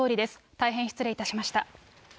大変失礼いたしました。